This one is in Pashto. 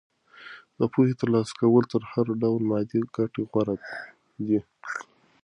د پوهې ترلاسه کول تر هر ډول مادي ګټې غوره دي.